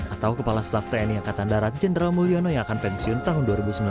atau kepala staf tni angkatan darat jenderal mulyono yang akan pensiun tahun dua ribu sembilan belas